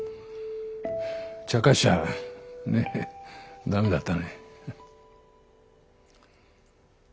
ちゃかしちゃね駄目だったね。